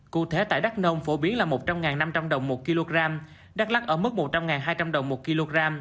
cụ thể tại đắk nông phổ biến là một trăm linh năm trăm linh đồng một kg đắk lắc ở mức một trăm linh hai trăm linh đồng một kg